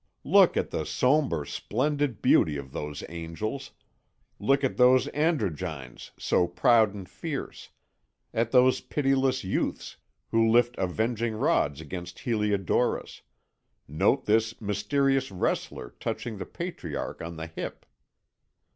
Look at the sombre, splendid beauty of those angels, look at those androgynes so proud and fierce, at those pitiless youths who lift avenging rods against Heliodorus, note this mysterious wrestler touching the patriarch on the hip...."